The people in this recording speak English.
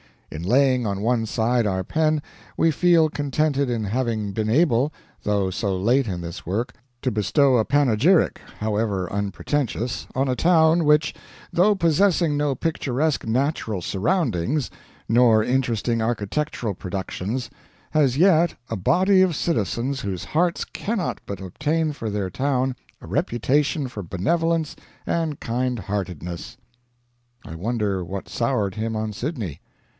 In laying on one side our pen we feel contented in having been able, though so late in this work, to bestow a panegyric, however unpretentious, on a town which, though possessing no picturesque natural surroundings, nor interesting architectural productions, has yet a body of citizens whose hearts cannot but obtain for their town a reputation for benevolence and kind heartedness." I wonder what soured him on Sydney.